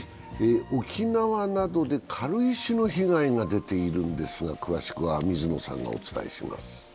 沖縄などで軽石の被害が出ているんですが、詳しくは水野さんがお伝えします。